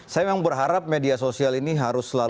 saya memang berharap media sosial ini harus selalu